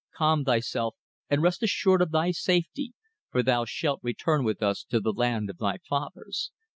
"Calm thyself and rest assured of thy safety, for thou shalt return with us to the land of thy fathers.